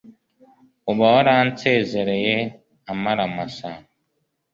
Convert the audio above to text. uba waransezereye amara masa